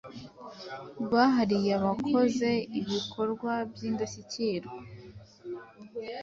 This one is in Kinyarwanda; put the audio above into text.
rwahariye abakoze ibikorwa by’indashyikirwa